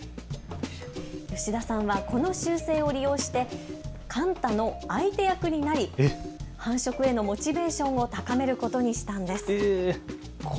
吉田さんはこの習性を利用してカンタの相手役になり繁殖へのモチベーションを高めることにしたんです。